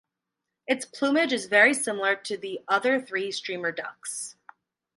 Its plumage is very similar to the other three steamer ducks.